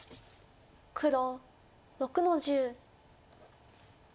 黒６の十。